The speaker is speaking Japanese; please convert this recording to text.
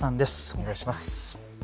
お願いします。